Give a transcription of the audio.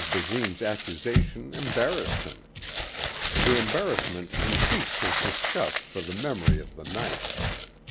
Basine's accusation embarrassed him. The embarrassment increased his disgust for the memory of the night.